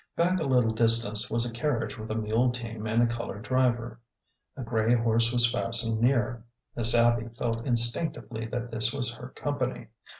Back a little distance was a carriage with a mule team and a colored driver. A gray horse was fastened near. Miss Abby felt instinc tively that this was her company.